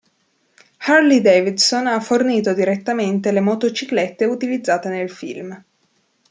Harley-Davidson ha fornito direttamente le motociclette utilizzate nel film.